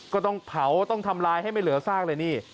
ก็ต้องเผาต้องทำลายให้ไม่เหลือซากเลยนี่